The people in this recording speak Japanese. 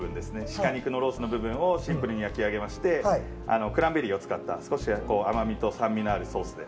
鹿肉のロースの部分をシンプルに焼き上げましてクランベリーを使った少し甘みと酸味のあるソースで。